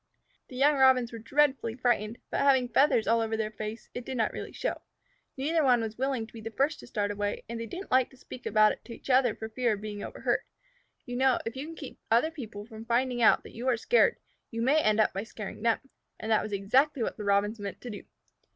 The young Robins were dreadfully frightened, but having feathers all over their face, it did not really show. Neither one was willing to be the first to start away, and they didn't like to speak about it to each other for fear of being overheard. You know, if you can keep other people from finding out that you are scared, you may end by scaring them, and that was exactly what the Robins meant to do.